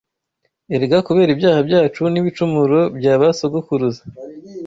Erega kubera ibyaha byacu n’ibicumuro bya ba sogokuruza